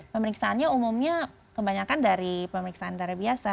pemeriksaannya umumnya kebanyakan dari pemeriksaan darah biasa